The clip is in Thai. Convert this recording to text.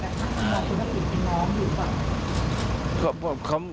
แต่มันเป็นคนที่เป็นน้องหรือเปล่า